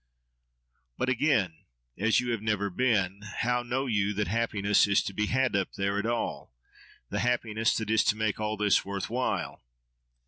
—But again, as you have never been, how know you that happiness is to be had up there, at all—the happiness that is to make all this worth while?